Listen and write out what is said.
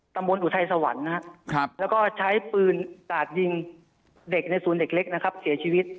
อุทัยสวรรค์นะครับแล้วก็ใช้ปืนกาดยิงเด็กในศูนย์เด็กเล็กนะครับเสียชีวิต